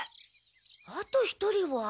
あと一人は？